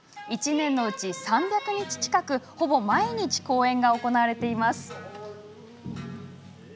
１年のうち、３００日近くほぼ毎日公演が行われています。